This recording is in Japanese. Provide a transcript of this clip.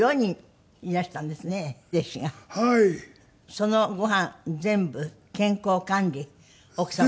そのご飯全部健康管理奥様が。